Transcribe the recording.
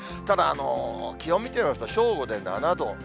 ただ、気温見てみますと、正午で７度。